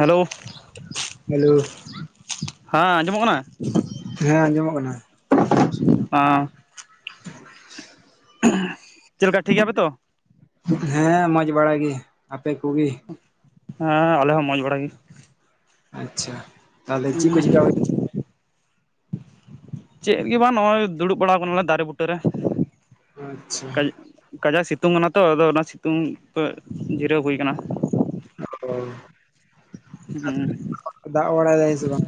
Hello hello ᱦᱮᱸ ᱟᱸᱡᱚᱢᱚᱜ ᱠᱟᱱᱟ ᱦᱮᱸ ᱟᱸᱡᱚᱢᱚᱜ ᱠᱟᱱᱟ ᱟ ᱪᱮᱫᱠᱟ ᱴᱷᱤᱠ ᱜᱮᱭᱟᱯᱮ ᱛᱚ ᱦᱮᱸ ᱢᱚᱡᱽ ᱵᱟᱲᱟ ᱜᱮ ᱟᱯᱮ ᱠᱚᱜᱮ ᱦᱮᱸ ᱟᱞᱮ ᱦᱚᱸ ᱢᱚᱸᱡᱽ ᱵᱟᱲᱟ ᱜᱮ ᱟᱪᱪᱷᱟ ᱛᱟᱦᱚᱞᱮ ᱪᱤᱫ ᱠᱩ ᱪᱮᱠᱟ ᱪᱮᱫ ᱜᱮ ᱵᱟᱝ ᱱᱚᱜᱼᱚᱭ ᱫᱩᱲᱩᱵ ᱵᱟᱲᱟ ᱠᱟᱱᱟᱞᱮ ᱫᱟᱨᱮ ᱵᱩᱴᱟᱹᱨᱮ ᱨᱮ ᱟᱪᱪᱷᱟ ᱠᱟᱡ ᱠᱟᱡᱟᱠ ᱥᱤᱛᱩᱝ ᱠᱟᱱᱟ ᱛᱚ ᱟᱫᱚ ᱚᱱᱟ ᱥᱤᱛᱩᱝ ᱛᱮ ᱡᱤᱨᱟᱹᱣ ᱦᱩᱭ ᱠᱟᱱᱟ ᱚ ᱦᱮᱸ ᱟ ᱫᱟᱜ ᱵᱟᱲᱟᱭ ᱫᱟᱭ ᱥᱮ ᱵᱟᱝ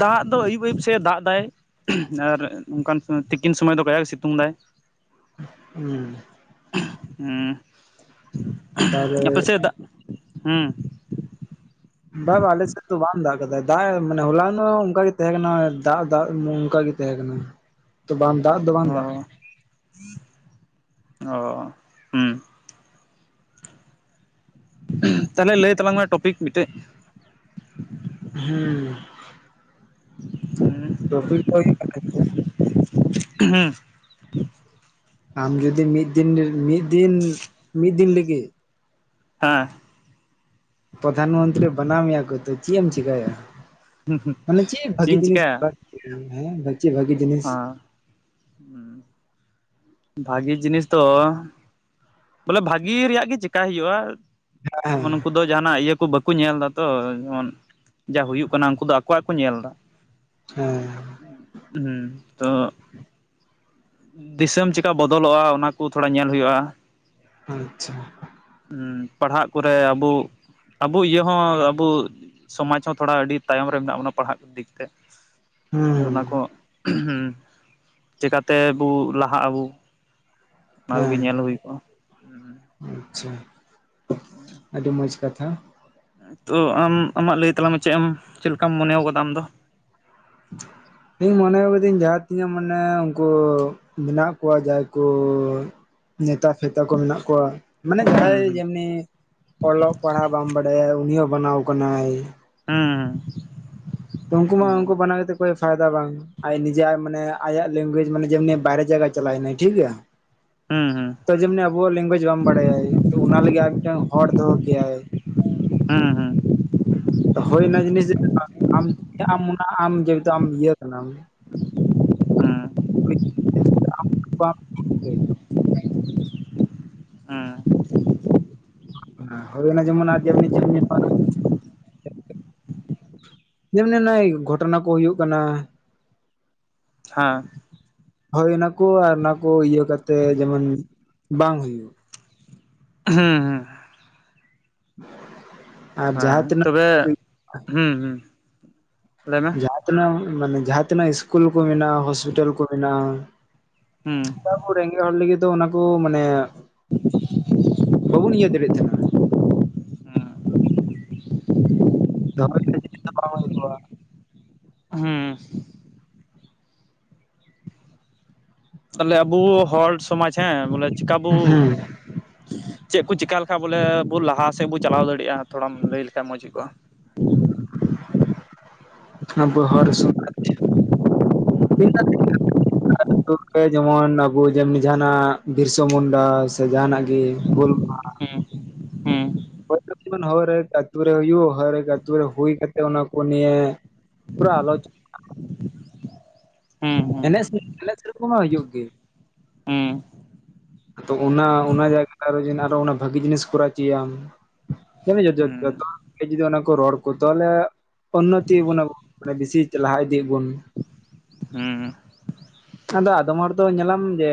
ᱫᱟᱜ ᱫᱚ ᱟᱹᱭᱩᱵ ᱟᱹᱭᱩᱵ ᱥᱮ ᱫᱟᱜ ᱮᱫᱟᱭ ᱟᱨ ᱚᱱᱠᱟᱱ ᱛᱤᱠᱤᱱ ᱥᱚᱢᱚᱭ ᱫᱚ ᱠᱟᱡᱟᱠ ᱥᱤᱛᱩᱝ ᱫᱟᱭ ᱦᱩᱸ ᱦᱮᱸ ᱛᱟᱦᱚᱞᱮ ᱟᱯᱮ ᱪᱮᱫᱟᱜ ᱦᱮᱸ ᱵᱟᱝ ᱵᱟᱝ ᱟᱞᱮᱥᱮᱫ ᱫᱚ ᱵᱟᱢ ᱫᱟᱜ ᱟᱠᱟᱫᱟ ᱫᱟᱜ ᱢᱟᱱᱮ ᱦᱚᱞᱟᱱ ᱫᱚ ᱚᱱᱠᱟᱜ ᱜᱮ ᱛᱟᱦᱮᱸ ᱠᱟᱱᱟ ᱫᱟᱜ ᱫᱟᱜ ᱚᱱᱠᱟᱜᱮ ᱛᱟᱦᱮᱸ ᱠᱟᱱᱟ ᱵᱟᱝ ᱫᱟᱜ ᱫᱚ ᱵᱟᱝ ᱚ ᱫᱟᱜ ᱚ ᱦᱩᱸ ᱛᱟᱦᱚᱞᱮ ᱞᱟᱹᱭ ᱛᱟᱞᱟᱝ ᱢᱮ ᱴᱚᱯᱤᱠ ᱢᱤᱫᱴᱮᱡ ᱦᱮᱸ ᱦᱩᱸ [unintelligible] ᱦᱩᱸ ᱟᱢ ᱡᱩᱫᱤ ᱢᱤᱫ ᱫᱤᱱ ᱢᱤᱫ ᱫᱤᱱ ᱢᱤᱫ ᱫᱤᱱ ᱞᱤᱜᱤᱜ ᱦᱮᱸ ᱯᱚᱫᱷᱟᱱ ᱢᱚᱱᱛᱨᱤ ᱵᱟᱱᱟᱣ ᱢᱮᱭᱟ ᱠᱚ ᱛᱚ ᱪᱤᱜ ᱮᱢ ᱪᱮᱠᱟᱭᱟ? ᱢᱟᱱᱮ ᱪᱮᱜ ᱪᱮᱫ ᱵᱷᱟᱜᱤ ᱤᱧ ᱡᱤᱱᱤᱥ ᱦᱮᱸ ᱵᱟᱪᱮ ᱵᱷᱟᱹᱜᱤ ᱟᱸ ᱦᱩᱸ ᱵᱷᱟᱜᱤ ᱡᱤᱱᱤᱥ ᱫᱚ ᱵᱚᱞᱮ ᱵᱷᱟᱜᱤ ᱨᱮᱭᱟᱜ ᱜᱮ ᱪᱮᱠᱟᱭ ᱦᱩᱭᱩᱜᱼᱟ ᱦᱮᱸ ᱡᱮᱢᱚᱱ ᱱᱩᱠᱩ ᱫᱚ ᱡᱟᱦᱟᱱᱟᱜ ᱤᱭᱟᱹ ᱠᱚ ᱵᱟᱠᱩ ᱧᱮᱞ ᱫᱟ ᱛᱚ ᱡᱮᱢᱚᱱ ᱡᱟ ᱦᱩᱭᱩᱜ ᱠᱟᱱᱟ ᱩᱱᱠᱩ ᱫᱚ ᱟᱠᱚᱣᱟᱜ ᱠᱚ ᱧᱮᱞ ᱮᱫᱟ ᱦᱮᱸ ᱦᱩᱸ ᱛᱚ ᱫᱤᱥᱟᱹᱢ ᱪᱮᱠᱟ ᱵᱚᱫᱚᱞᱚᱜᱼᱟ ᱚᱱᱟ ᱠᱚ ᱛᱷᱚᱲᱟ ᱧᱮᱞ ᱦᱩᱭᱩᱜᱼᱟ ᱟᱪᱪᱷᱟ ᱯᱟᱲᱦᱟᱜ ᱠᱩᱨᱮ ᱟᱵᱩ ᱟᱵᱳ ᱤᱭᱟᱹ ᱦᱚᱸ ᱟᱵᱳ ᱥᱚᱢᱟᱡᱽ ᱦᱚᱸ ᱛᱷᱚᱲᱟ ᱟᱹᱰᱤ ᱛᱟᱭᱚᱢ ᱨᱮ ᱢᱮᱱᱟᱜ ᱵᱚᱱᱟ ᱯᱟᱲᱦᱟᱜ ᱫᱤᱠ ᱛᱮ ᱟᱫᱚ ᱦᱩᱸ ᱚᱱᱟ ᱠᱚ ᱪᱮᱠᱟᱛᱮ ᱵᱩ ᱞᱟᱦᱟᱜ ᱟᱵᱩ ᱦᱮᱸ ᱟᱪᱪᱷᱟ ᱟᱹᱰᱤ ᱢᱚᱸᱡᱽ ᱠᱟᱛᱷᱟ ᱛᱳ ᱟᱢ ᱟᱢᱟᱜ ᱞᱟᱹᱭ ᱛᱟᱞᱟᱝ ᱢᱮ ᱪᱮᱜ ᱮᱢ ᱪᱮᱫ ᱞᱮᱠᱟᱢ ᱢᱚᱱᱮᱣ ᱠᱟᱫᱟ ᱟᱢ ᱫᱚ ᱤᱧ ᱢᱚᱱᱮᱣ ᱠᱟᱫᱟᱹᱧ ᱡᱟᱦᱟᱸ ᱛᱤᱱᱟᱹᱜ ᱢᱟᱱᱮ ᱩᱱᱠᱩ ᱢᱮᱱᱟᱜ ᱠᱚᱣᱟ ᱡᱟᱦᱟᱭ ᱠᱚ ᱱᱮᱛᱟ ᱯᱷᱮᱛᱟ ᱠᱚ ᱢᱮᱱᱟᱜ ᱠᱚᱣᱟ ᱢᱟᱱᱮ ᱡᱟᱦᱟᱸᱭ ᱦᱩᱸ ᱡᱮᱢᱱᱤ ᱚᱞᱚᱜ ᱯᱟᱲᱦᱟᱣ ᱵᱟᱢ ᱵᱟᱲᱟᱭ -ᱟ ᱩᱱᱤ ᱦᱚᱸ ᱵᱟᱱᱟᱣ ᱠᱟᱱᱟᱭ ᱦᱩᱸ ᱛᱚ ᱩᱱᱠᱩ ᱢᱟ ᱦᱩᱸ ᱩᱱᱠᱩ ᱵᱟᱱᱟᱣ ᱠᱟᱛᱮᱜ ᱯᱷᱟᱭᱫᱟ ᱵᱟᱝ ᱟᱡ ᱱᱤᱡᱮ ᱟᱡ ᱢᱟᱱᱮ ᱟᱭᱟᱜ ᱞᱮᱝᱜᱩᱭᱡᱽ ᱢᱟᱱᱮ ᱡᱮᱢᱱᱤ ᱵᱟᱭᱨᱮ ᱡᱟᱭᱜᱟᱭ ᱪᱟᱞᱟᱭ ᱮᱱᱟᱭ ᱴᱷᱤᱠ ᱜᱮᱭᱟ ᱦᱩᱸ ᱦᱩᱸ ᱦᱩᱸ ᱦᱩᱸ ᱛᱚ ᱡᱮᱢᱱᱤ ᱟᱵᱚᱣᱟᱜ ᱞᱮᱝᱜᱩᱭᱮᱮᱡᱽ ᱵᱟᱝ ᱵᱟᱲᱟᱭ ᱟᱭ ᱛᱚ ᱚᱱᱟ ᱞᱟᱹᱜᱤᱫ ᱟᱨ ᱢᱤᱫ ᱴᱟᱝ ᱦᱚᱲ ᱫᱚᱦᱚ ᱠᱮᱭᱟᱭ ᱦᱮᱸ ᱦᱮᱸ ᱦᱳᱭ ᱚᱱᱟ ᱡᱤᱱᱤᱥ ᱡᱩᱫᱤ ᱟᱢ ᱛᱮ ᱟᱢ ᱚᱱᱟ ᱟᱢ ᱡᱮᱦᱮᱛᱩ ᱟᱢ ᱤᱭᱟᱹ ᱠᱟᱱᱟᱢ ᱦᱩᱸ ᱦᱩᱸ [unintelligible] ᱦᱩᱸ ᱦᱳᱭ ᱚᱱᱟ ᱡᱮᱢᱚᱱ ᱟᱨ ᱡᱮᱢᱱᱤ ᱡᱮᱢᱱᱤ ᱯᱟ ᱡᱮᱢᱱᱤ ᱱᱚᱜᱼᱚᱭ ᱜᱷᱚᱴᱚᱱᱟ ᱠᱚ ᱦᱩᱭᱩᱜ ᱠᱟᱱᱟ ᱦᱟᱸ ᱦᱳᱭ ᱚᱱᱟ ᱠᱚ ᱟᱨ ᱚᱱᱟ ᱠᱚ ᱤᱭᱟᱹ ᱠᱟᱛᱮ ᱡᱮᱢᱚᱱ ᱵᱟᱝ ᱦᱩᱭᱩᱜ ᱦᱮᱸ ᱦᱮᱸ [unintelligible] ᱦᱮᱸ ᱛᱤᱱᱟᱹᱜ ᱛᱚᱵᱮ ᱦᱩᱸ ᱦᱩᱸ ᱞᱟᱹᱭ ᱢᱮ ᱡᱟᱸᱦᱟ ᱛᱤᱱᱟᱹᱜ ᱢᱟᱱᱮ ᱡᱟᱸᱦᱟ ᱛᱤᱱᱟᱹᱜ ᱥᱠᱩᱞ ᱠᱚ ᱢᱮᱱᱟᱜᱼᱟ, ᱦᱚᱥᱯᱤᱴᱟᱞ ᱠᱚ ᱢᱮᱱᱟᱜᱼᱟ ᱦᱩᱸ ᱟᱵᱳ ᱨᱮᱸᱜᱮᱡ ᱦᱚᱲ ᱞᱟᱹᱜᱤᱫ ᱫᱚ ᱚᱱᱟ ᱠᱚ ᱢᱟᱱᱮ ᱵᱟᱵᱚᱱ ᱤᱭᱟᱹ ᱫᱟᱹᱲᱤᱜ ᱛᱷᱮᱸᱱᱟ [unintelligible] ᱠᱚᱣᱟ [unintelligible] ᱦᱩᱸ ᱛᱟᱞᱮ ᱟᱵᱳ ᱦᱚᱲ ᱥᱚᱢᱟᱡᱽ ᱦᱮᱸ ᱵᱚᱞᱮ ᱪᱤᱠᱟ ᱵᱳ ᱦᱮᱸ ᱪᱮᱫ ᱠᱳ ᱪᱤᱠᱟ ᱞᱮᱠᱷᱟᱡ ᱵᱚᱞᱮ ᱵᱳ ᱞᱟᱦᱟ ᱥᱮᱫ ᱵᱳ ᱪᱟᱞᱟᱣ ᱫᱟᱲᱮᱭᱟᱜᱼᱟ ᱛᱷᱚᱲᱟᱢ ᱞᱟᱹᱭ ᱞᱮᱠᱷᱟᱡ ᱢᱚᱡᱽ ᱦᱩᱭ ᱠᱚᱜᱼᱟ ᱚᱱᱟ ᱟᱵᱚ ᱦᱚᱲ ᱥᱚᱢᱟᱡᱽ [unintelligible] [inaudible] ᱛᱮ ᱡᱮᱢᱚᱱ ᱟᱵᱚ ᱡᱮᱢᱱᱤ ᱡᱟᱦᱱᱟᱜ ᱵᱤᱨᱥᱟᱹ ᱢᱩᱱᱰᱟ ᱥᱮ ᱡᱟᱦᱱᱟᱜ ᱜᱤ ᱦᱩᱞ ᱦᱩᱸ ᱦᱩᱸ ᱦᱚᱭ [inaudible] ᱦᱳᱭᱨᱮ ᱦᱩᱭᱩᱜ ᱟᱛᱩ ᱨᱮ ᱦᱩᱭᱩᱜ ᱦᱟᱨᱟ ᱮᱠ ᱟᱛᱩ ᱨᱮ ᱦᱩᱭ ᱠᱟᱛᱮ ᱚᱱᱟ ᱠᱚ ᱱᱤᱭᱮ ᱯᱩᱨᱟᱹ ᱟᱞᱳᱪ ᱦᱩᱸ ᱮᱱᱮᱡ-ᱥᱮᱨᱮᱧ ᱮᱱᱮᱜ-ᱥᱮᱨᱮᱧ ᱠᱚ ᱢᱟ ᱦᱩᱭᱩᱜ ᱜᱮ ᱛᱚ ᱦᱩᱸ ᱟᱫᱚ ᱚᱱᱟ ᱚᱱᱟ ᱡᱟᱭᱜᱟ ᱨᱮ ᱟᱨᱦᱚᱸ ᱡᱩ ᱟᱨᱦᱚ ᱩᱱᱟᱹᱜ ᱵᱷᱟᱜᱤ ᱡᱤᱱᱤᱥ ᱠᱩᱨᱟᱜ ᱪᱩᱭᱟᱢ ᱦᱩᱸ [inaudible] ᱡᱫᱤ ᱚᱱᱟ ᱠᱚ ᱨᱚᱲ ᱠᱚ ᱛᱟᱦᱚᱞᱮ ᱩᱱᱱᱚᱛᱤ ᱭᱟᱹᱵᱩᱱ ᱟᱹᱩ ᱵᱤᱥᱤ ᱞᱟᱦᱟ ᱤᱫᱤᱜ ᱟᱵᱩᱱ ᱦᱩᱸ ᱟᱫᱚ ᱟᱫᱚᱢ ᱦᱚᱲ ᱫᱚ ᱧᱮᱞᱟᱢ ᱡᱮ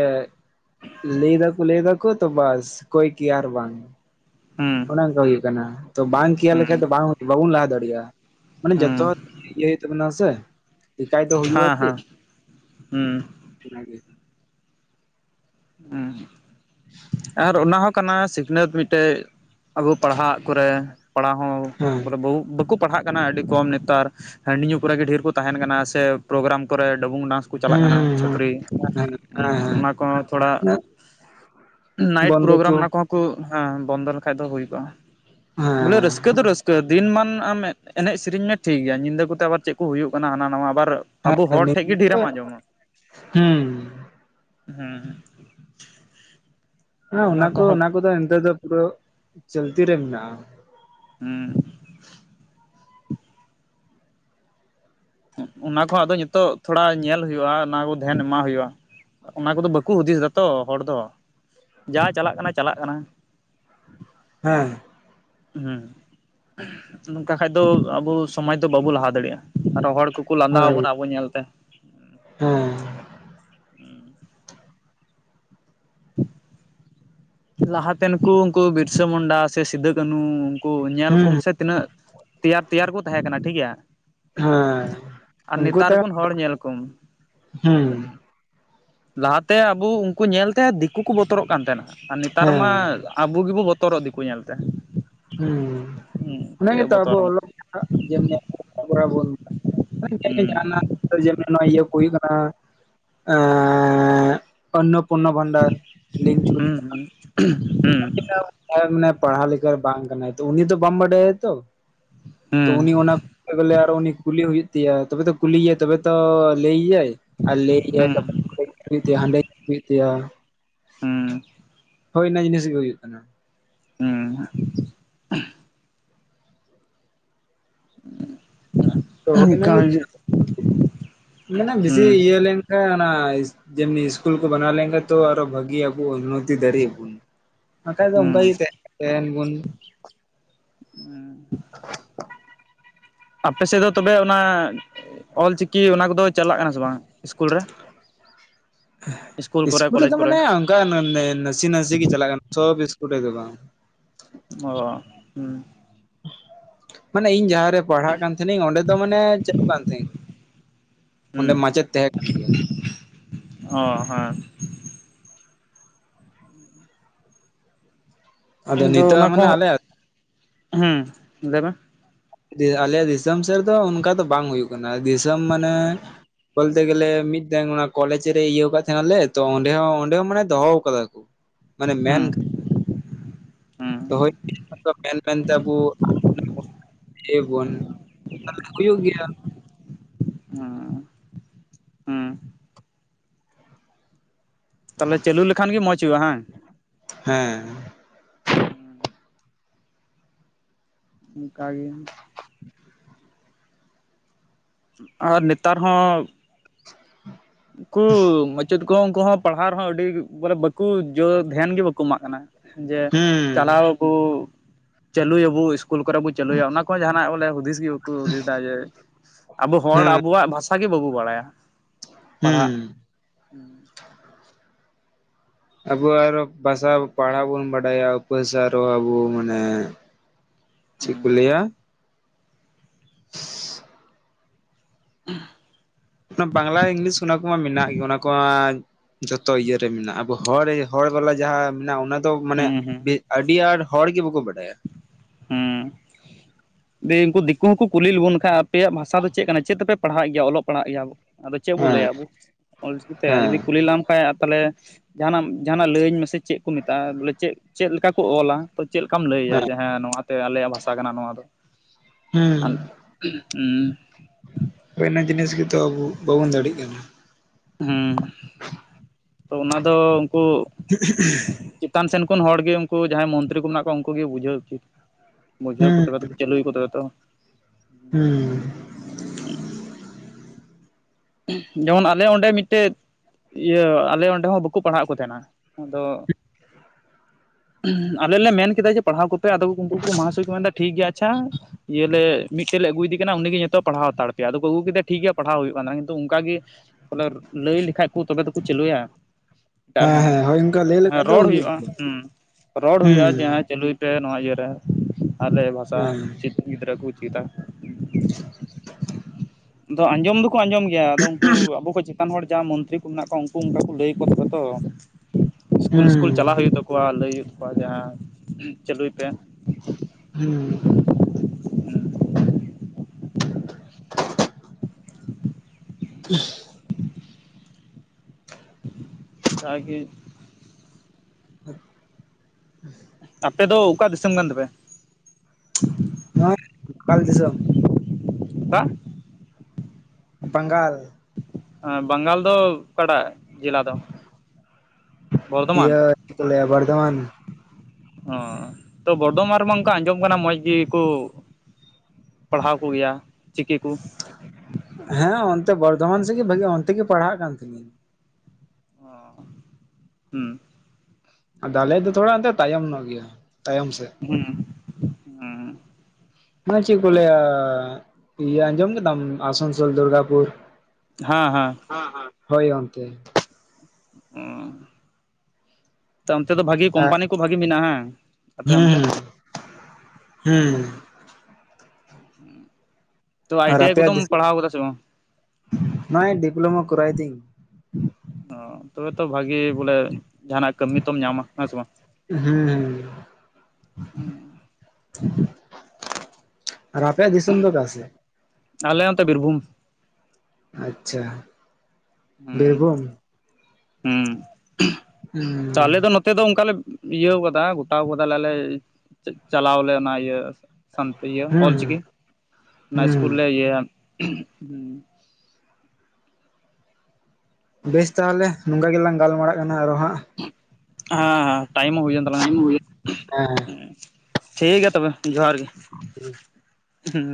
ᱞᱟᱹᱭ ᱮᱫᱟᱠᱚ ᱞᱟᱹᱭ ᱮᱫᱟᱠᱚ ᱛᱚ ᱵᱟᱥ ᱠᱚᱭ ᱠᱮᱭᱟᱨ ᱵᱟᱝ᱾ ᱦᱩᱸ ᱚᱱᱮ ᱚᱱᱠᱟ ᱦᱩᱭᱩᱜ ᱠᱟᱱᱟ ᱛᱚ ᱵᱟᱝ ᱠᱮᱭᱟᱨ ᱦᱩᱸ ᱞᱮᱠᱷᱟᱱ ᱫᱚ ᱵᱟᱝ ᱵᱟᱵᱚᱱ ᱞᱟᱦᱟ ᱫᱟᱲᱮᱭᱟᱜᱼᱟ᱾ ᱢᱟᱱᱮ ᱦᱩᱸ ᱡᱚᱛᱚ ᱤᱭᱟᱹ ᱦᱩᱭᱩᱜ ᱛᱟᱵᱚᱱᱟ ᱥᱮ ᱮᱠᱟᱭ ᱫᱚ ᱦᱩᱭᱩᱜᱼᱟ ᱦᱟᱸ ᱦᱟᱸ ᱦᱩᱸ ᱚᱱᱟ ᱜᱮ ᱟᱨ ᱚᱱᱟ ᱦᱚᱸ ᱠᱟᱱᱟ ᱥᱤᱠᱷᱱᱟᱹᱛ ᱢᱤᱫᱴᱮᱱ ᱟᱵᱚ ᱯᱟᱲᱦᱟᱜ ᱠᱚᱨᱮ ᱯᱟᱲᱦᱟᱣ ᱦᱚᱸ ᱦᱮᱸ ᱵᱚᱞᱮ ᱵᱟᱠᱚ ᱯᱟᱲᱦᱟᱜ ᱠᱟᱱᱟ ᱟᱹᱰᱤ ᱠᱚᱢ ᱱᱮᱛᱟᱨ ᱦᱟᱺᱰᱤ ᱧᱩ ᱠᱚᱨᱮ ᱜᱮ ᱰᱷᱮᱨ ᱠᱚ ᱛᱟᱦᱮᱸᱱ ᱠᱟᱱᱟ ᱥᱮ ᱯᱨᱳᱜᱨᱟᱢ ᱠᱚᱨᱮ ᱰᱟᱹᱵᱩᱝ ᱰᱟᱱᱥ ᱠᱚ ᱪᱟᱞᱟᱜ ᱦᱮᱸ ᱠᱟᱱᱟ ᱦᱮᱸ ᱪᱷᱟᱹᱯᱨᱤ ᱦᱮᱸ ᱦᱮᱸ ᱦᱮᱸ ᱚᱱᱟ ᱠᱚᱦᱚᱸ ᱛᱷᱚᱲᱟ ᱦᱮᱸ ᱱᱟᱭᱤᱴ ᱵᱚᱱᱫᱚ ᱦᱚᱪᱚ ᱯᱨᱳᱜᱨᱟᱢ ᱚᱱᱟ ᱦᱮᱸ ᱠᱚᱦᱚᱸᱠᱚ ᱵᱚᱱᱫᱚ ᱞᱮᱠᱟᱱᱡ ᱫᱚ ᱦᱳᱭ ᱠᱚᱜᱼᱟ᱾ ᱵᱚᱞᱮ ᱨᱟᱹᱥᱠᱟᱹ ᱫᱚ ᱨᱟᱹᱥᱠᱟᱹ ᱫᱤᱱ ᱢᱟᱱ ᱟᱢ ᱮᱱᱮᱡ ᱥᱮᱨᱮᱧ ᱢᱮ ᱴᱷᱤᱠ ᱜᱮᱭᱟ ᱧᱤᱫᱟᱹ ᱠᱚᱛᱮ ᱟᱵᱟᱨ ᱪᱮᱫ ᱠᱚ ᱦᱩᱭᱩᱜ ᱠᱟᱱᱟ ᱦᱟᱱᱟ ᱱᱟᱣᱟ ᱟᱵᱟᱨ ᱟᱵᱚ ᱦᱚᱲ ᱦᱮᱸ ᱴᱷᱮᱱ ᱜᱮ ᱰᱷᱨᱮᱢ ᱦᱩᱸ ᱟᱸᱡᱚᱢᱟ ᱦᱮᱸ ᱦᱮᱸ, ᱦᱮᱸ ᱚᱱᱟ ᱠᱚ ᱚᱱᱟ ᱠᱚᱫᱚ ᱱᱮᱛᱟᱨ ᱫᱚ ᱯᱩᱨᱟᱹ ᱪᱚᱞᱛᱤ ᱨᱮ ᱢᱮᱱᱟᱜᱼᱟ᱾ ᱦᱩᱸ ᱚᱱᱟ ᱠᱚ ᱦᱚᱸ ᱟᱫᱚ ᱱᱤᱛᱚᱜ ᱛᱷᱚᱲᱟ ᱧᱮᱞ ᱦᱩᱭᱩᱜᱼᱟ ᱚᱱᱟ ᱠᱚ ᱫᱷᱮᱭᱟᱱ ᱮᱢ ᱟᱜ ᱦᱩᱭᱩᱜᱼᱟ᱾ ᱚᱱᱟ ᱠᱚᱫᱚ ᱵᱟᱠᱚ ᱦᱩᱫᱤᱥ ᱮᱫᱟᱛᱚ ᱦᱚᱲ ᱫᱚ ᱡᱟ ᱪᱟᱞᱟᱜ ᱠᱟᱱᱟ ᱪᱟᱞᱟᱜ ᱠᱟᱱᱟ᱾ ᱦᱮᱸ ᱦᱮᱸ ᱱᱚᱝᱠᱟ ᱠᱷᱟᱡ ᱫᱚ ᱟᱵᱚ ᱥᱚᱢᱟᱡᱽ ᱫᱚ ᱵᱟᱵᱚ ᱞᱟᱦᱟ ᱫᱟᱲᱮᱭᱟᱜᱼᱟ᱾ ᱟᱨᱚ ᱦᱚᱲ ᱠᱚᱠᱚ ᱞᱟᱸᱫᱟᱣ ᱦᱳᱭ ᱟᱵᱚᱱᱟ ᱟᱵᱚ ᱧᱮᱞᱛᱮ᱾ ᱦᱮᱸ [unintelligible] ᱞᱟᱦᱟᱛᱮᱱᱠᱩ ᱩᱱᱠᱩ ᱵᱤᱨᱥᱟᱹ ᱢᱩᱱᱰᱟ, ᱥᱮ ᱥᱤᱫᱩ, ᱠᱟᱹᱱᱦᱩ ᱧᱮᱞ ᱦᱮᱸ ᱠᱚᱢ ᱥᱮ ᱛᱤᱱᱟᱹᱜ ᱛᱮᱭᱟᱨ ᱛᱮᱭᱟᱨ ᱠᱚ ᱛᱟᱦᱮᱸ ᱠᱟᱱᱟ ᱴᱷᱤᱠᱜᱮᱭᱟ᱾ ᱦᱮᱸ ᱩᱱᱠᱩ ᱛᱚ ᱦᱚᱲ ᱧᱮᱞ ᱠᱚᱢ ᱦᱮᱸ ᱞᱟᱦᱟᱛᱮ ᱟᱵᱚ ᱩᱱᱠᱩ ᱧᱮᱞᱛᱮ ᱫᱤᱠᱩ ᱠᱚ ᱵᱚᱛᱚᱨᱚᱜ ᱠᱟᱱ ᱛᱟᱦᱮᱱᱟ᱾ ᱟᱨ ᱱᱮᱛᱟᱨ ᱢᱟ ᱦᱮᱸ ᱟᱵᱚ ᱜᱮᱵᱚ ᱵᱚᱛᱚᱨᱚᱜ ᱫᱤᱠᱩ ᱧᱮᱞᱛᱮ᱾ ᱦᱮᱸ ᱦᱩᱸ ᱚᱱᱟ ᱪᱮᱫ ᱮ ᱜᱮᱛᱚ ᱟᱵᱚ ᱵᱚᱛᱚᱨᱟᱢ ᱚᱞᱚᱜ ᱯᱟᱲᱦᱟᱜ ᱡᱮᱢᱱᱤ ᱟᱵᱚᱱ ᱦᱩᱸ ᱡᱟᱦᱟᱱᱟᱜ ᱟᱹᱰᱤ ᱡᱳᱨ ᱜᱮ ᱱᱚᱣᱟ ᱤᱭᱟᱹ ᱠᱚ ᱦᱩᱭᱩᱜ ᱠᱟᱱᱟ ᱮ ᱚᱱᱱᱟᱯᱩᱨᱱᱚ ᱵᱷᱟᱱᱰᱟᱨ ᱞᱤᱝᱪᱩ [unintelligible] ᱯᱟᱲᱦᱟᱣ ᱞᱮᱠᱟ ᱵᱟᱝ ᱠᱟᱱᱟᱭ ᱛᱚ ᱩᱱᱤ ᱫᱚ ᱵᱟᱢ ᱵᱟᱰᱟᱭᱟ ᱛᱚ ᱛᱚ ᱩᱱᱤ ᱟᱱᱟ ᱵᱚᱞᱮ ᱟᱨ ᱩᱱᱤ ᱠᱩᱞᱤ ᱦᱩᱭᱩᱜ ᱛᱟᱭᱟ ᱛᱚᱵᱮ ᱛᱚ ᱠᱩᱞᱤᱭᱮᱭᱟ ᱛᱚᱵᱮ ᱛᱚ ᱞᱟᱹᱭ ᱟᱭᱟᱭ ᱟᱨ ᱞᱟᱹᱭ ᱜᱮᱭᱟᱭ ᱛᱚ ᱠᱩᱞᱤ ᱠᱩᱞᱤ ᱛᱮ ᱦᱟᱸᱰᱮ ᱠᱩᱞᱤ ᱦᱩᱭᱩᱜ ᱛᱟᱭᱟ᱾ ᱦᱩᱸ ᱦᱳᱭ ᱚᱱᱟ ᱡᱤᱱᱤᱥ ᱜᱮ ᱦᱩᱭᱩᱜ ᱠᱟᱱᱟ᱾ ᱦᱮᱸ [unintelligible] ᱛᱚ ᱦᱩᱭᱞᱮᱱ ᱜᱮ ᱠᱟᱹᱣᱰᱤ ᱢᱟᱱᱮ ᱵᱮᱥᱤ ᱦᱩᱸ ᱤᱭᱟᱹ ᱞᱮᱱᱠᱷᱟᱱ ᱚᱱᱟ ᱡᱮᱢᱱᱤ ᱥᱠᱩᱞ ᱠᱚ ᱵᱟᱱᱟᱣ ᱞᱮᱠᱟᱱ ᱛᱚ ᱟᱨᱚ ᱵᱷᱟᱹᱜᱤ ᱟᱵᱩ ᱩᱱᱱᱚᱛᱤ ᱫᱟᱹᱲᱤᱜ ᱟᱵᱩᱱ᱾ ᱵᱟᱠᱷᱟᱭ ᱫᱚ ᱚᱱᱠᱟ ᱜᱮ ᱦᱩᱸ ᱛᱟᱦᱮᱸᱱ ᱟᱵᱩᱱ᱾ [unintelligible] ᱟᱯᱮ ᱥᱮᱫ ᱫᱚ ᱛᱚᱵᱮ ᱚᱱᱟ ᱚᱞᱪᱤᱠᱤ ᱚᱱᱟ ᱠᱚᱫᱚ ᱪᱟᱞᱟᱜ ᱠᱟᱱᱟ ᱥᱮ ᱵᱟᱝ ᱤᱥᱠᱩᱞ ᱨᱮ ᱤᱥᱠᱩᱞ ᱠᱚᱨᱮ, ᱠᱚᱞᱮᱡᱽ ᱠᱚᱨᱮ᱾ ᱚᱱᱠ ᱱᱟᱥᱮ ᱱᱟᱥᱮ ᱜᱮ ᱪᱟᱞᱟᱜ ᱠᱟᱱᱟ ᱥᱚᱵ ᱤᱥᱠᱩᱞ ᱨᱮᱫᱚ ᱵᱟᱝ ᱚ ᱦᱚ ᱩᱸ ᱢᱟᱱᱮ ᱤᱧ ᱡᱟᱦᱟᱸᱨᱮ ᱯᱟᱲᱦᱟᱜ ᱠᱟᱱ ᱛᱟᱦᱮᱸᱱᱤᱧ ᱚᱸᱰᱮ ᱫᱚ ᱢᱟᱱᱮ ᱪᱟᱹᱞᱩᱜ ᱠᱟᱱ ᱛᱟᱦᱮᱸᱫ ᱚᱸᱰᱮ ᱦᱩᱸ ᱢᱟᱪᱮᱫ ᱛᱟᱦᱮᱸ ᱠᱟᱱ ᱜᱮᱭᱟ᱾ ᱚ ᱦᱮᱸ ᱟᱫᱚ ᱤᱧ ᱫᱚ ᱱᱤᱛᱚᱜ ᱚᱱᱟ ᱢᱟᱱᱮ ᱠᱚᱦᱚᱸ ᱟᱞᱮᱭᱟᱜ ᱦᱚᱸ ᱞᱟᱹᱭᱢᱮ ᱡᱮ ᱟᱞᱮᱭᱟᱜ ᱫᱤᱥᱚᱢ ᱥᱮᱜ ᱨᱮᱫᱚ ᱚᱱᱠᱟ ᱫᱚ ᱵᱟᱝ ᱦᱩᱭᱩᱜ ᱠᱟᱱᱟ ᱫᱤᱥᱚᱢ ᱢᱟᱱᱮ ᱵᱚᱞᱛᱮ ᱜᱮᱞᱮ ᱢᱤᱫᱴᱮᱝ ᱚᱱᱟ ᱠᱚᱞᱮᱡ ᱨᱮ ᱤᱭᱟᱹᱣ ᱠᱟᱫ ᱛᱟᱦᱮᱱᱟᱞᱮ ᱛᱚ ᱚᱸᱰᱮ ᱦᱚᱸ ᱚᱸᱰᱮ ᱦᱚᱸ ᱢᱟᱱᱮ ᱫᱚᱦᱚ ᱠᱟᱫᱟ ᱩ [inaudible] ᱢᱟᱱᱮ ᱢᱮᱱ ᱦᱩᱸ ᱦᱩᱸ ᱫᱚᱦᱚᱭ [unintelligible] ᱢᱮᱱ ᱢᱮᱱᱛᱮ ᱟᱵᱩ ᱤᱭᱟᱹᱭᱵᱚᱱ ᱛᱟᱞᱮ ᱦᱩᱭᱩᱜ ᱜᱮᱭᱟ ᱦᱮᱸ ᱛᱟᱦᱞᱮ ᱪᱟᱹᱞᱩ ᱞᱮᱠᱷᱟᱱ ᱜᱮ ᱢᱚᱸᱡᱽ ᱦᱩᱭᱩᱜᱼᱟ ᱦᱟᱝ? ᱦᱮᱸ ᱦᱩᱸ [inaudible] ᱚᱝᱠᱟᱜᱮ ᱟᱨ ᱱᱮᱛᱟᱨ ᱦᱚᱸ [inaudible] ᱩᱠᱩ ᱢᱟᱪᱮᱫ ᱠᱚᱦᱚᱸ ᱩᱝᱠᱩ ᱦᱚᱸ ᱯᱟᱲᱦᱟᱣ ᱨᱮᱦᱚᱸ ᱟᱹᱰᱤ ᱵᱚᱞᱮ ᱵᱟᱠᱚ ᱡᱚ ᱫᱷᱮᱭᱟᱱ ᱜᱮ ᱵᱟᱠᱚ ᱮᱢᱟᱜ ᱠᱟᱱᱟ᱾ ᱡᱮ ᱦᱩᱸ ᱪᱟᱞᱟᱣ ᱟᱵᱚ ᱪᱟᱹᱞᱩᱭᱟᱵᱚ ᱤᱥ ᱠᱩᱞ ᱠᱚᱨᱮ ᱵᱚ ᱪᱟᱹᱞᱩᱭᱟ ᱚᱱᱟ ᱠᱚ ᱡᱟᱦᱟᱱᱟᱜ ᱵᱚᱞᱮ ᱦᱩᱫᱤᱥ ᱜᱮ ᱵᱟᱠᱚ ᱦᱩᱫᱤᱥ ᱫᱟ ᱡᱮ ᱟᱵᱚ ᱦᱚᱲ ᱟ ᱦᱮᱸ ᱵᱩᱣᱟᱜ ᱵᱷᱟᱥᱟ ᱜᱮ ᱵᱟᱵᱚ ᱵᱟᱲᱟᱭᱟ ᱯᱟᱲᱦᱟᱜ᱾ ᱦᱩᱸ ᱟᱵᱚ ᱟᱨᱚ ᱵᱷᱟᱥᱟ ᱯᱟᱲᱦᱟᱣ ᱵᱩᱱ ᱵᱟᱰᱟᱭᱟ ᱩᱯᱟᱹ ᱥᱟᱨᱚ ᱟᱵᱚ ᱢᱟᱱᱮ ᱪᱮᱜ ᱠᱚ ᱦᱩᱸ ᱞᱟᱹᱭᱟ [inaudible] ᱱᱟ ᱵᱟᱝᱞᱟ ᱤᱝᱞᱤᱥ ᱚᱱᱟ ᱠᱚᱢᱟ ᱢᱮᱱᱟᱜ ᱜᱮ ᱚᱱᱟ ᱠᱚ ᱢᱟ ᱡᱚᱛᱚ ᱤᱭᱟᱹ ᱢᱮᱱᱟᱜᱼᱟ ᱟᱵᱚ ᱦᱚᱲ ᱦᱚᱲ ᱵᱟᱞᱟ ᱡᱟᱦᱟᱸ ᱢᱮᱱᱟᱜᱼᱟ ᱚᱱᱟ ᱫᱚ ᱢᱟᱱᱮ ᱦᱩᱸ ᱦᱩᱸ ᱵᱤ ᱟᱹᱰᱤ ᱟᱸᱴ ᱦᱚᱲ ᱜᱮ ᱵᱟᱠᱚ ᱵᱟᱰᱟᱭᱟ᱾ ᱦᱩᱸ [inaudible] ᱫᱤᱭᱮ ᱩᱝᱠᱩ ᱫᱤᱠᱩ ᱦᱚᱸᱠᱚ ᱠᱩᱞᱤ ᱞᱮᱵᱚᱱ ᱠᱷᱟᱡ ᱟᱯᱮᱭᱟᱜ ᱵᱷᱟᱥᱟ ᱫᱚ ᱪᱮᱫ ᱠᱟᱱᱟ ᱪᱮᱫ ᱛᱮᱯᱮ ᱯᱟᱲᱦᱟᱜ ᱜᱮᱭᱟ ᱚᱞᱚᱜ ᱯᱟᱲᱦᱟᱜ ᱜᱮᱭᱟᱵᱚ? ᱟᱫᱚ ᱪᱮᱜ ᱵᱚ ᱦᱮᱸ ᱞᱟᱹᱭᱟ ᱟᱵᱚ? ᱚᱞ ᱪᱤᱠᱤᱛᱮ ᱦᱮᱸ ᱡᱩᱫᱤ ᱠᱩᱞᱤ ᱞᱮᱢ ᱯᱟᱭᱟ ᱛᱟᱦᱞᱮ ᱡᱟᱦᱱᱟᱜ ᱡᱟᱦᱟᱱᱟᱜ ᱞᱟᱹᱭᱟᱹᱧ ᱢᱮᱥᱮ ᱪᱮᱜ ᱠᱚ ᱢᱮᱛᱟᱜᱼᱟ ᱵᱚᱞᱮ ᱪᱮᱜ ᱪᱮᱜ ᱞᱮᱠᱟ ᱠᱚ ᱚᱞᱟ᱾ ᱛᱚ ᱪᱮᱜ ᱞᱮᱠᱟᱢ ᱞᱟᱹᱭᱭᱟ ᱡᱮ ᱦᱮᱸ ᱱᱚᱣᱟ ᱱᱟᱛᱮ ᱟᱞᱮᱭᱟᱜ ᱵᱷᱟᱥᱟ ᱠᱟᱱᱟ ᱱᱚᱣᱟ ᱫᱚ᱾ ᱦᱮᱸ ᱦᱳᱭ ᱤᱱᱟᱹ ᱡᱤᱱᱤᱥ ᱜᱮᱛᱚ ᱟᱵᱚ ᱵᱟᱹᱵᱩᱱ ᱫᱟᱲᱮᱜ ᱠᱟᱱᱟ᱾ ᱦᱚᱸ ᱛᱚ ᱚᱱᱟ ᱫᱚ ᱩᱱᱴᱝᱠᱩ [inaudible] ᱪᱮᱛᱟᱱ ᱥᱮᱱ ᱠᱷᱚᱱ ᱦᱚᱲ ᱜᱮ ᱩᱝᱠᱩ ᱡᱟᱦᱟᱸᱭ ᱢᱚᱱᱛᱨᱤ ᱠᱚ ᱢᱮᱱᱟᱜ ᱠᱚᱣᱟ ᱩᱝᱠᱩᱜ ᱜᱮ ᱵᱩᱡᱷᱟᱹᱣ ᱩᱪᱤᱛ᱾ ᱵᱩᱡ ᱦᱮᱸ ᱠᱚ ᱛᱚᱵᱮ ᱛᱚ ᱪᱟᱞᱩᱭ ᱠᱚ ᱛᱚᱵᱮ ᱛᱚ ᱦᱩᱸ ᱡᱮᱢᱚᱱ ᱟᱞᱮ ᱚᱸᱰᱮ ᱢᱤᱫᱴᱮᱫ ᱤᱭᱟᱹ ᱟᱞᱮ ᱚᱸᱰᱮ ᱦᱚᱸ ᱵᱟᱠᱚ ᱯᱟᱲᱦᱟᱣᱮᱜ ᱠᱚ ᱛᱟᱦᱮᱱᱟ᱾ ᱟᱫᱚ ᱟᱞᱮ ᱞᱮ ᱢᱮᱱ ᱠᱮᱫᱟ ᱡᱮ ᱯᱟᱲᱦᱟᱣ ᱠᱚ ᱯᱮ ᱟᱫᱚ ᱩᱝᱠᱩ ᱠᱚ ᱢᱟᱦᱟᱥᱚᱭ ᱠᱚ ᱢᱮᱱ ᱫᱟ ᱴᱷᱤᱠ ᱜᱮᱭᱟ ᱟᱪᱪᱷᱟ ᱤᱭᱟᱹ ᱞᱮ ᱢᱤᱫᱴᱮᱜ ᱞᱮ ᱟᱹᱜᱩᱭᱫᱤ ᱠᱟᱱᱟ ᱩᱱᱤ ᱜᱮ ᱧᱮᱛᱚᱜ ᱯᱟᱲᱟᱣ ᱦᱟᱛᱟᱲ ᱯᱮᱭᱟ ᱟᱫᱚ ᱠᱚ ᱟᱹᱜᱩ ᱠᱮᱫᱮᱭᱟ ᱴᱷᱤᱠ ᱜᱮᱭᱟ ᱯᱟᱲᱦᱟᱣ ᱦᱩᱭᱩᱜ ᱠᱟᱱ ᱫᱚ ᱚᱝᱠᱟ ᱜᱮ ᱵᱚᱞᱮ ᱞᱟᱹᱭ ᱞᱮᱠᱷᱟᱡ ᱠᱚ ᱛᱚᱵᱮ ᱛᱚᱠᱚ ᱪᱟᱹᱞᱩᱭᱟ᱾ ᱴᱟᱨᱦᱚᱸ ᱦᱮᱸ ᱦᱳᱭ ᱚᱱᱠᱟ ᱞᱟᱹᱭ ᱦᱮᱸ ᱞᱮᱠᱷᱟᱡ ᱫᱚ ᱨᱚᱲ ᱦᱩᱭᱩᱜ ᱦᱩᱭᱩᱜᱼᱟ ᱜᱮᱭᱟ ᱦᱮᱸ ᱨᱚᱲ ᱦᱩᱭᱩᱜᱼᱟ ᱡᱮ ᱦᱮᱸ ᱪᱟᱹᱞᱩᱭ ᱯᱮ ᱱᱚᱣᱟ ᱤᱭᱟᱹᱨᱮ ᱟᱞᱮ ᱵᱷᱟᱥᱟ ᱦᱮᱸ ᱪᱤᱫ ᱜᱤᱫᱽᱨᱟᱹ ᱠᱚ ᱪᱤᱫᱟ ᱟᱫᱚ ᱟᱸᱡᱚᱢ ᱫᱚᱠᱚ ᱟᱸᱡᱚᱢ ᱜᱮᱭᱟ ᱟᱫᱚ ᱩᱝᱠᱩ ᱟᱵᱚ ᱠᱷᱚᱡ ᱪᱮᱛᱟᱱ ᱦᱚᱲ ᱡᱟᱦᱟᱸ ᱢᱚᱱᱛᱨᱤ ᱠᱚ ᱢᱮᱱᱟᱜ ᱠᱚᱣᱟ ᱩᱝᱠᱩ ᱚᱝᱠᱟ ᱠᱚ ᱞᱟᱹᱭ ᱟᱠᱚᱣᱟ ᱛᱚᱵᱮ ᱛᱚ ᱤᱥᱠᱩᱞ ᱦᱮᱸ ᱥᱤᱥᱠᱩᱞ ᱪᱟᱞᱟᱜ ᱦᱩᱭᱩᱜ ᱛᱟᱠᱚᱣᱟ ᱞᱟᱹᱭ ᱦᱩᱭᱩᱜ ᱛᱟᱠᱚᱣᱟ ᱡᱟᱦᱟᱸ ᱪᱟᱹᱞᱩᱭ ᱯᱮ᱾ ᱦᱩᱸ [inaudible] ᱪᱷᱟ ᱜᱮ [unintelligible] ᱟᱯᱮ ᱫᱚ ᱚᱠᱟ ᱫᱤᱥᱚᱢ ᱠᱟᱱ ᱛᱟᱯᱮᱭᱟ? [unintelligible] ᱫᱤᱥᱚᱢ [unintelligible] ᱵᱟᱝᱜᱟᱞ ᱵᱟᱝᱜᱟᱞ ᱫᱚ ᱚᱠᱟᱴᱟᱜ ᱡᱮᱞᱟ ᱫᱚ ᱵᱚᱨᱫᱷᱚᱢᱟᱱ? ᱤᱭᱟᱹ ᱪᱮᱫ ᱠᱚ ᱞᱤᱭᱟ ᱵᱚᱨᱫᱚᱢᱟᱱ᱾ ᱚ ᱛᱚ ᱵᱚᱨᱫᱷᱚᱢᱟᱱ ᱨᱮᱢᱟ ᱚᱱᱠᱟ ᱟᱸᱡᱚᱢ ᱠᱟᱱᱟ ᱢᱚᱸᱡᱽ ᱜᱮᱠᱚ, ᱯᱟᱲᱦᱟᱣ ᱠᱚᱜᱮᱭᱟ ᱪᱤᱠᱤ ᱠᱚ᱾ ᱦᱮᱸ ᱚᱱᱛᱮ ᱵᱚᱨᱫᱷᱚᱢᱟᱱ ᱥᱮᱡ ᱜᱮ ᱵᱷᱟᱜᱤ ᱚᱱᱛᱮ ᱜᱮ ᱯᱟᱲᱦᱟᱜ ᱠᱟᱱ ᱛᱟᱦᱮᱱᱤᱧ᱾ ᱚ ᱦᱩᱸ ᱟᱫᱚ ᱟᱞᱮᱭᱟᱜ ᱛᱷᱚᱲᱟ ᱮᱱᱛᱮ ᱛᱟᱭᱚᱢ ᱱᱚᱜ ᱜᱮᱭᱟ ᱛᱟᱭᱚᱢ ᱥᱮᱜ [unintelligible] ᱢᱟᱱᱮ ᱪᱮᱫ ᱠᱚ ᱞᱟᱹᱭᱟ ᱤᱭᱟᱹ ᱟᱸᱡᱚᱢ ᱠᱮᱫᱟᱢ ᱟᱥᱟᱱᱥᱳᱞ ᱫᱩᱨᱜᱟᱯᱩᱨ᱾ ᱦᱮᱸ ᱦᱮᱸ ᱦᱳᱭ ᱚᱱᱛᱮ᱾ ᱚ ᱚᱱᱛᱮ ᱫᱚ ᱵᱷᱟᱜᱤ ᱠᱳᱢᱯᱟᱱᱤ ᱠᱚ ᱵᱷᱟᱜᱤ ᱢᱮᱱᱟᱜᱼᱟ ᱦᱟᱝ? ᱦᱮᱸ ᱦᱩᱸ ᱦᱮᱸ ᱛᱚ ᱟᱭ ᱴᱤ ᱟᱭ ᱠᱚᱫᱚᱢ ᱯᱟᱲᱦᱟᱣ ᱠᱟᱫᱟ ᱥᱮ ᱵᱟᱝ? ᱱᱚᱜᱼᱚᱝ ᱰᱤᱯᱞᱳᱢᱟ ᱠᱚᱨᱟᱭ ᱫᱤᱧ᱾ ᱚ ᱛᱚᱵᱮ ᱛᱚ ᱵᱷᱟᱜᱤ ᱵᱚᱞᱮ ᱡᱟᱦᱱᱟᱜ ᱠᱟᱹᱢᱤ ᱛᱚᱢ ᱧᱟᱢᱟ ᱾ ᱦᱮᱸ ᱥᱮ ᱵᱟᱝ, ᱦᱮᱸ ᱦᱮᱸ ᱟᱨ ᱟᱯᱮᱭᱟᱜ ᱫᱤᱥᱚᱢ ᱫᱚ ᱚᱠᱟ ᱥᱮᱡ? ᱟᱞᱮ ᱚᱱᱛᱮ ᱵᱤᱨᱵᱷᱩᱢ᱾ ᱟᱪᱪᱷᱟ ᱦᱩᱸ ᱵᱤᱨᱵᱷᱩᱢ ᱦᱩᱸ ᱛᱚ ᱦᱩᱸ ᱟᱞᱮᱫᱚ ᱛᱮ ᱫᱚ ᱚᱱᱠᱟᱞᱮ ᱤᱭᱟᱹᱣ ᱟᱠᱟᱫᱟ ᱜᱚᱴᱟᱣ ᱠᱟᱫᱟ ᱞᱮ ᱪᱟᱞᱟᱣ ᱟᱞᱮ ᱚᱱᱟ ᱤᱭᱟᱹ ᱥᱟᱱᱛᱮ ᱤᱭᱟᱹ ᱦᱩᱸ ᱚᱞᱪᱤᱠᱤ ᱚᱱᱟ ᱦᱩᱸ ᱤᱥᱠᱩᱞ ᱨᱮ ᱤᱭᱟᱹ ᱵᱮᱥ ᱛᱟᱦᱚᱞᱮ ᱱᱚᱝᱠᱟ ᱜᱮᱞᱟᱝ ᱜᱟᱞᱢᱟᱨᱟᱜ ᱠᱟᱱᱟ ᱟᱨᱚ ᱦᱟᱸᱜ ᱦᱮᱸ ᱦᱮᱸ ᱴᱟᱭᱤᱢ ᱦᱚᱸ ᱦᱩᱭᱮᱱ ᱛᱟᱞᱟᱝᱟ ᱦᱮᱸ ᱴᱷᱤᱠ ᱜᱮᱭᱟ ᱛᱚᱵᱮ ᱡᱚᱦᱟᱨ ᱜᱮ ᱦᱮᱸ᱾